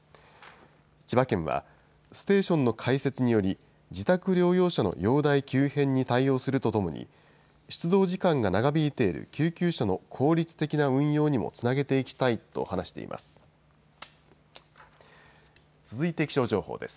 千葉県は、ステーションの開設により、自宅療養者の容体急変に対応するとともに、出動時間が長引いている救急車の効率的な運用にもつなげていきたいと話しています。